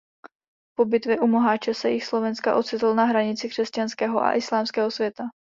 Po bitvě u Moháče se jih Slovenska ocitl na hranici křesťanského a islámského světa.